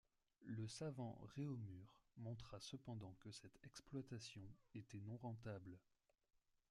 Le savant Réaumur montra cependant que cette exploitation était non rentable.